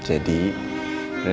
jadi rena sekolah dulu